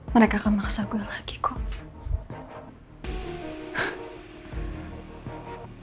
mereka akan maksa gue lagi kum